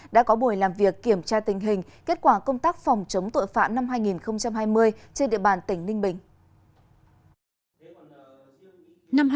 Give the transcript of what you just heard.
đã có buổi làm việc kiểm tra tình hình kết quả công tác phòng chống tội phạm năm hai nghìn hai mươi trên địa bàn tỉnh ninh bình